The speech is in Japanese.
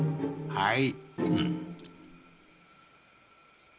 はい。